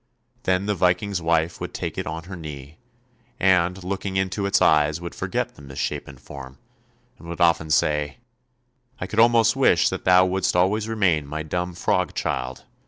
Then the Viking's wife would take it on her knee, and looking into its eyes would forget the misshapen form, and would often say, " I could almost wish that thou wouldst always remain my dumb frog child.